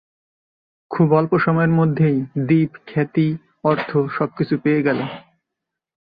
খুব অল্প সময়ের মধ্যেই দীপ খ্যাতি, অর্থ সবকিছু পেয়ে গেল।